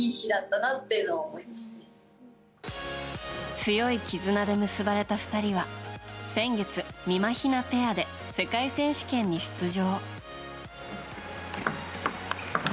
強い絆で結ばれた２人は先月、みまひなペアで世界選手権に出場。